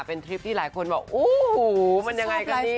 เป็นทริปที่หลายคนว่าอู้หูมันยังไงกันเนี่ย